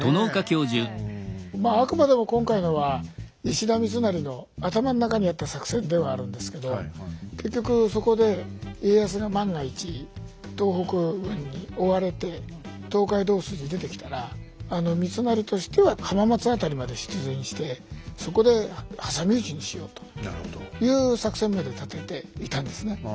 まああくまでも今回のは石田三成の頭の中にあった作戦ではあるんですけど結局そこで家康が万が一東北軍に追われて東海道筋に出てきたら三成としては浜松辺りまで出陣してそこで挟み撃ちにしようという作戦まで立てていたんですね。